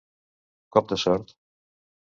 Cop de sort.